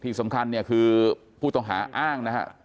ที่สำคัญเนี่ยคือผู้ต้องหาอ้างนะฮะ